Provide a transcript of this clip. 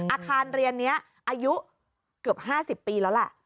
อาคารเรียนนี้อายุเกือบ๕๐ปีแล้วแหละ